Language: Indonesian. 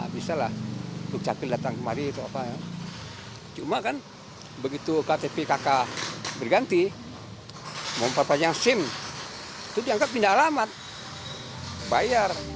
jika tidak maka tidak akan berubah